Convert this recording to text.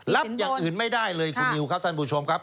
รับอย่างอื่นไม่ได้เลยคุณนิวครับท่านผู้ชมครับ